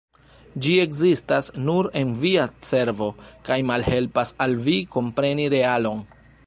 Ĝi ekzistas nur en via cerbo kaj malhelpas al vi kompreni realon.